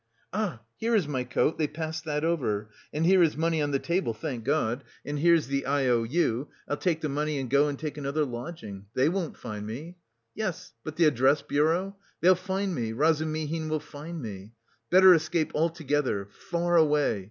Ah, here is my coat they passed that over! And here is money on the table, thank God! And here's the I O U... I'll take the money and go and take another lodging. They won't find me!... Yes, but the address bureau? They'll find me, Razumihin will find me. Better escape altogether... far away...